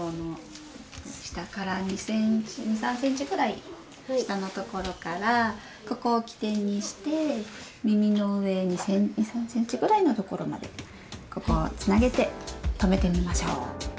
下から２３ｃｍぐらい下のところからここを起点にして耳の上２３ｃｍぐらいのところまでここをつなげてとめてみましょう。